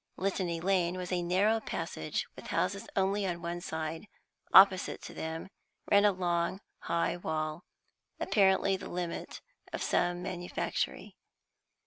Litany Lane was a narrow passage, with houses only on one side; opposite to them ran a long high wall, apparently the limit of some manufactory.